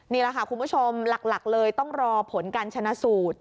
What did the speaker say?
นี่แหละค่ะคุณผู้ชมหลักเลยต้องรอผลการชนะสูตร